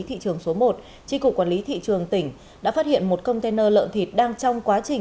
thị trường số một tri cục quản lý thị trường tỉnh đã phát hiện một container lợn thịt đang trong quá trình